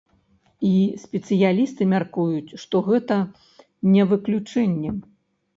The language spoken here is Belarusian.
І спецыялісты мяркуюць, што гэта не выключэнне.